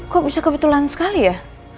kok bisa kebetulan sekali ya